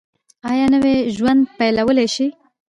ایا نوی ژوند پیلولی شئ؟